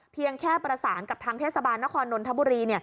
เพียงแค่ประสานกับทางเทศบาลนครนนทบุรี